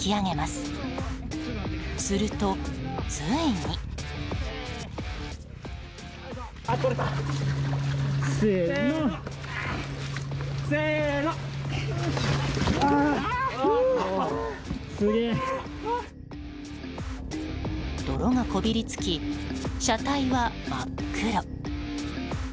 すると、ついに。泥がこびりつき、車体は真っ黒。